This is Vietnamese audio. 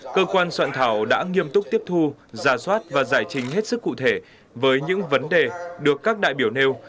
cơ quan soạn thảo đã nghiêm túc tiếp thu giả soát và giải trình hết sức cụ thể với những vấn đề được các đại biểu nêu